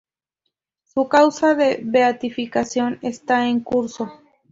Su Causa de Beatificación está en curso.